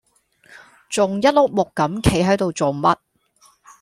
仲一碌木咁企係度做乜